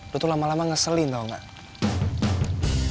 lo tuh lama lama ngeselin tau gak